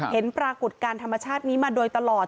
ปรากฏการณ์ธรรมชาตินี้มาโดยตลอด